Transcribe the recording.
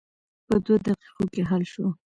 په دوه دقیقو کې حل شوه.